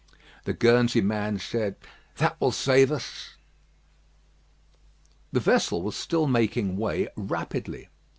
The Guernsey man said: "That will save us." The vessel was still making way rapidly.